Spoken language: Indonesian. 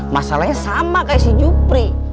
masalahnya sama kayak si jupri